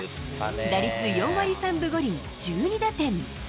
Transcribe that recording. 打率４割３分５厘、１２打点。